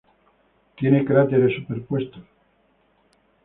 Tiene cráteres superpuestos.